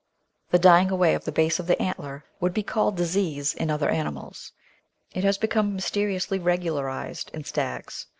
The dying away of the base of the antler would be called disease in other animals; it has become mysteriously regularised in stags.